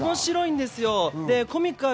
面白いんですよ。